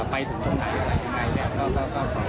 ในส่วนการหางานในไล่ตอนนี้เราก็เพิ่มกำลัง